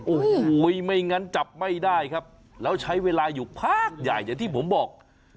โอ้โหไม่งั้นจับไม่ได้ครับแล้วใช้เวลาอยู่พักใหญ่อย่างที่ผมบอก